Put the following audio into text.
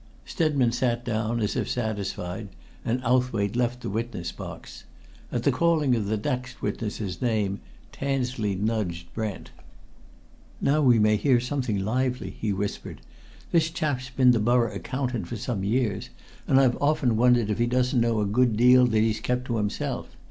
Stedman sat down, as if satisfied, and Owthwaite left the witness box. At the calling of the next witness's name Tansley nudged Brent. "Now we may hear something lively!" he whispered. "This chap's been the Borough Accountant for some years, and I've often wondered if he doesn't know a good deal that he's kept to himself.